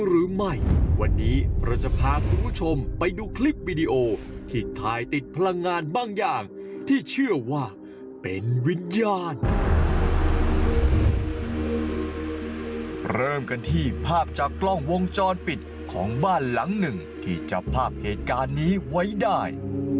เริ่มกันที่ภาพจากกล้องวงจรปิดของบ้านหลังหนึ่งที่จับภาพเหตุการณ์นี้ไว้ได้